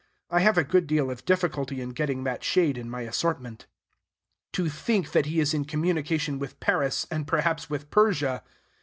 I have a good deal of difficulty in getting that shade in my assortment." To think that he is in communication with Paris, and perhaps with Persia!